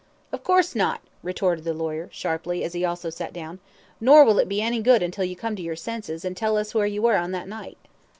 "Of course not," retorted the lawyer, sharply, as he also sat down. "Nor will it be any good until you come to your senses, and tell us where you were on that night."